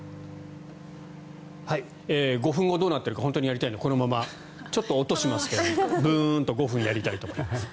５分後、どうなっているか本当にやりたいのでこのままちょっと音がしますがブーンと５分やりたいと思います。